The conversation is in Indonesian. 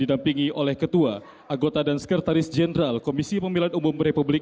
didampingi oleh ketua anggota dan sekretaris jenderal komisi pemilihan umum republik